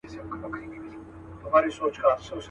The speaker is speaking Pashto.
خبر سوم، بیرته ستون سوم، پر سجده پرېوتل غواړي.